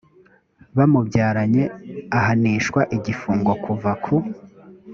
bamubyaranye ahanishwa igifungo kuva ku